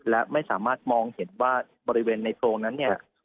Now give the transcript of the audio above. และไม่สามารถมองเห็นว่าบริเวณในโพรงนั้นเนี่ย